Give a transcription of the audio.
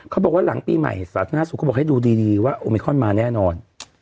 เขาบอกว่าหลังปีใหม่สาธารณสุขเขาบอกให้ดูดีว่าโอมิคอนมาแน่นอน